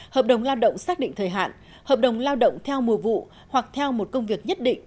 hợp đồng lao động xác định thời hạn hợp đồng lao động theo mùa vụ hoặc theo một công việc nhất định